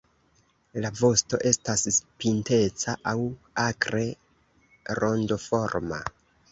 La vosto estas pinteca aŭ akre rondoforma.